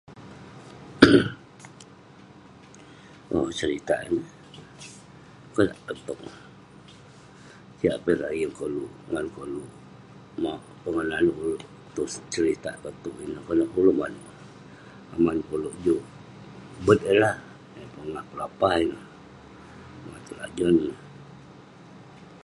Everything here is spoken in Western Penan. Owk selitak ineh, konak peh toq neh. Jiak peh dak yeng koluk ngan koluk, mauk pongah naneuk uleuk tong selitak kok toq ineh, konak uleuk maneuk? Aman peh uleuk juk bet eh lah, eh pongah pelapah ineh, pongah telajon ineh.